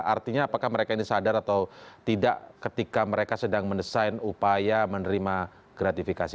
artinya apakah mereka ini sadar atau tidak ketika mereka sedang mendesain upaya menerima gratifikasi